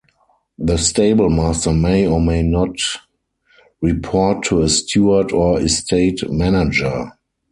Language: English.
The stable master may or may not report to a steward or estate manager.